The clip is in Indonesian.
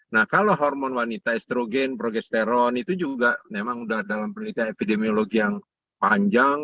nah kalau hormon wanita estrogen progesteron itu juga memang sudah dalam penelitian epidemiologi yang panjang